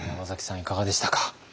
いかがでしたか？